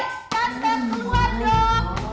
tante keluar dong